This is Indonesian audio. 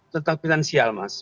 tentang finansial mas